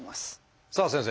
さあ先生